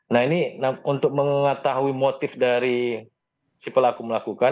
nah ini untuk mengetahui motif dari si pelaku melakukan